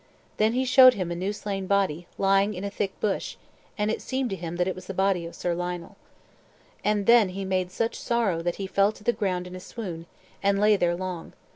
Then he showed him a new slain body, lying in a thick bush; and it seemed him that it was the body of Sir Lionel. And then he made such sorrow that he fell to the ground in a swoon, and lay there long.